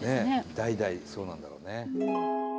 代々そうなんだろうね。